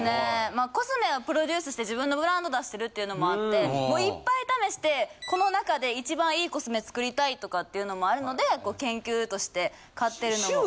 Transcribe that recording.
まあコスメをプロデュースして自分のブランド出してるっていうのもあってもういっぱい試してこの中で一番いいコスメ作りたいとかっていうのもあるので研究として買ってるのも。